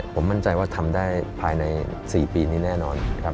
ผมมั่นใจว่าทำได้ภายใน๔ปีนี้แน่นอนครับ